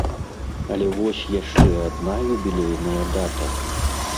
Але вось яшчэ адна юбілейная дата.